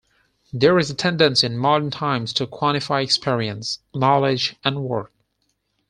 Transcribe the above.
There is a tendency in modern times to quantify experience, knowledge, and work.